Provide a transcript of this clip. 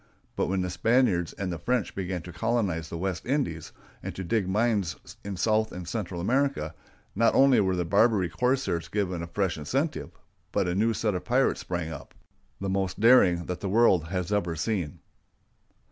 But when the Spaniards and the French began to colonize the West Indies, and to dig mines in South and Central America, not only were the Barbary corsairs given a fresh incentive, but a new set of pirates sprang up, the most daring that the world has ever seen.